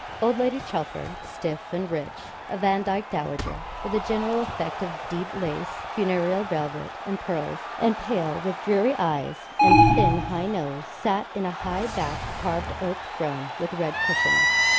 Old Lady Chelford, stiff and rich, a Vandyke dowager, with a general effect of deep lace, funereal velvet, and pearls; and pale, with dreary eyes, and thin high nose, sat in a high backed carved oak throne, with red cushions.